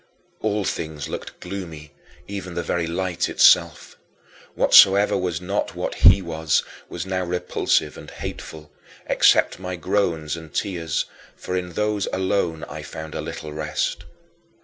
All things looked gloomy, even the very light itself. Whatsoever was not what he was, was now repulsive and hateful, except my groans and tears, for in those alone I found a little rest.